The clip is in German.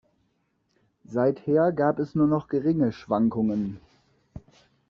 Seither gab es nur noch geringe Schwankungen.